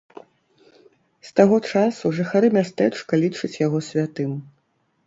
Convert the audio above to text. З таго часу жыхары мястэчка лічаць яго святым.